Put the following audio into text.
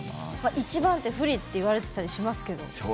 一番手不利って言われてたりしますけど。